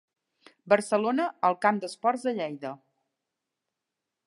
Barcelona, al Camp d'Esports de Lleida.